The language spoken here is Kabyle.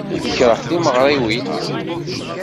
Nekṛeh timeɣriwin.